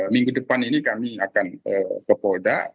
minggu depan ini kami akan ke polda